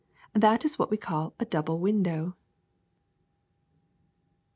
That is what we call a double window.